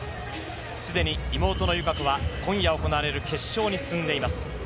すでに妹の友香子は今夜行われる決勝に進んでいます。